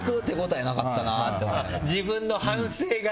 自分の反省が？